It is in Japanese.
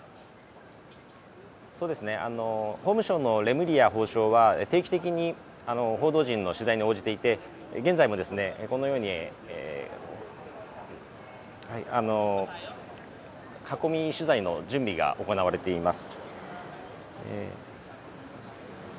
法務省のレムリヤ法相は定期的に報道陣の取材に応じていて現在も囲み取材の準備が行われています。